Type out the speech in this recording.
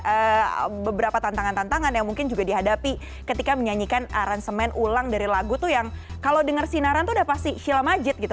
ada beberapa tantangan tantangan yang mungkin juga dihadapi ketika menyanyikan aransemen ulang dari lagu tuh yang kalau dengar sinaran tuh udah pasti shila majid gitu